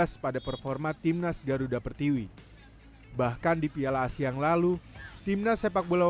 secara fisik mungkin pemain pemain kita karena nggak punya klub nggak pada punya klub